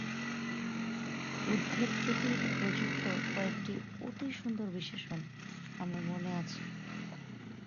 বুদ্ধের প্রতি প্রযুক্ত কয়েকটি অতি সুন্দর বিশেষণ আমার মনে আছে।